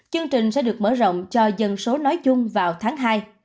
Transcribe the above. chương trình sẽ được mở rộng cho dân số nói chung vào tháng hai